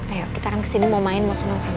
ayo kita akan kesini mau main muslim muslim